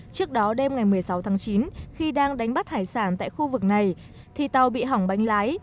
trước đó đêm ngày một mươi sáu tháng chín khi đang đánh bắt hải sản tại khu vực này thì tàu bị hỏng bánh lái